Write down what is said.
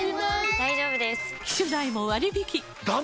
大丈夫です！